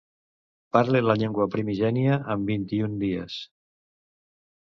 Parli la llengua primigènia en vint-i-un dies.